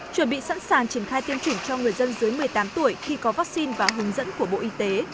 chuẩn bị sẵn sàng triển khai tiêm chủng cho người dân dưới một mươi tám tuổi khi có vaccine và hướng dẫn của bộ y tế